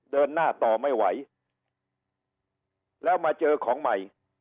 เดินหน้าต่อไม่ไหวแล้วมาเจอของใหม่